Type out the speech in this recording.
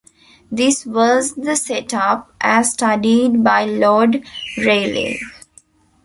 This was the set-up as studied by Lord Rayleigh.